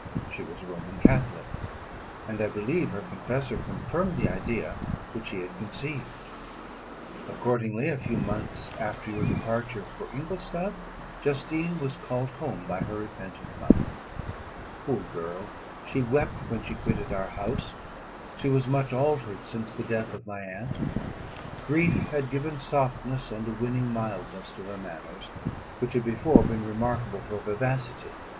She was a Roman catholic; and I believe her confessor confirmed the idea which she had conceived. Accordingly, a few months after your departure for Ingolstadt, Justine was called home by her repentant mother. Poor girl! she wept when she quitted our house; she was much altered since the death of my aunt; grief had given softness and a winning mildness to her manners, which had before been remarkable for vivacity.